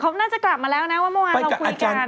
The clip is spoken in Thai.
เขาน่าจะกลับมาแล้วนะว่าเมื่อวานเราคุยกัน